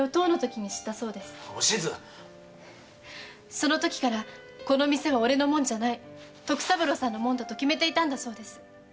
そのときから“この店は俺のもんじゃない”“徳三郎さんのもんだ”と決めていたんだそうです。